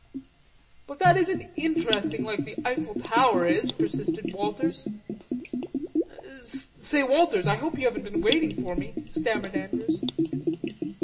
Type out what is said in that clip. "But that isn't interesting like the Eiffel tower is," persisted Walters. "Say, Walters, I hope you haven't been waiting for me," stammered Andrews.